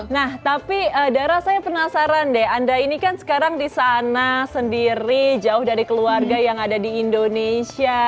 nah tapi dara saya penasaran deh anda ini kan sekarang di sana sendiri jauh dari keluarga yang ada di indonesia